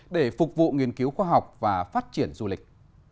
để phục vụ nghiên cứu khoa học và phát triển du lịch